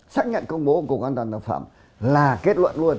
xác nhận công bố của cục an toàn thực phẩm là kết luận luôn